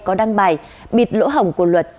có đăng bài bịt lỗ hỏng của luật